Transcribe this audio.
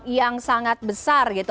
yang sangat besar gitu